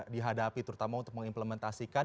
dihadapi terutama untuk mengimplementasikan